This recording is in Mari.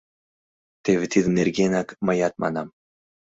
Теве тиде нергенак мыят манам.